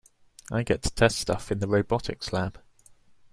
I get to test stuff in the robotics lab.